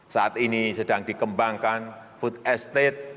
saat ini sedang dikembangkan food estate